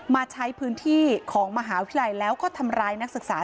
มาใช้พื้นที่ของมหาวิทยาลัยแล้วก็ทำร้ายนักศึกษา